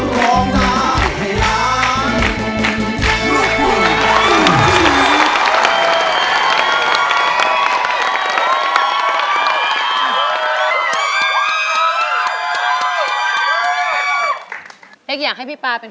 ร้องได้ให้ล้าน